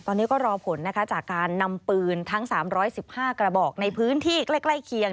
ตอนนี้ก็รอผลนะคะจากการนำปืนทั้ง๓๑๕กระบอกในพื้นที่ใกล้เคียง